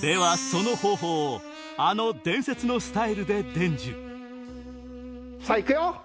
その方法をあの伝説のスタイルで伝授さぁ行くよ！